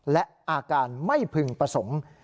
และอาการไม่พึงประสงค์